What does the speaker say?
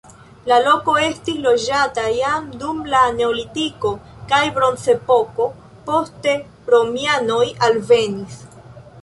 La loko estis loĝata jam dum la neolitiko kaj bronzepoko, poste romianoj alvenis.